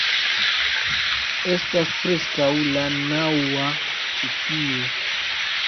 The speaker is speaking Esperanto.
Estas preskaŭ la naŭa ĉi tie